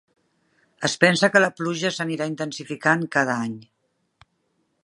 Es pensa que la pluja s'anirà intensificant cada any.